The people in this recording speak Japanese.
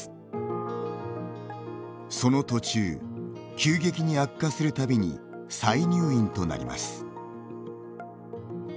その途中、急激に悪化するたびに再入院となります。